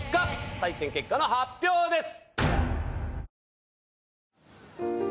採点結果の発表です。